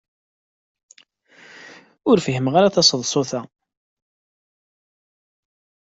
Ur fhimeɣ taseḍsut-a.